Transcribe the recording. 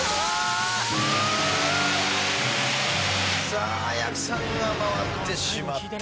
さあやくさんが回ってしまった。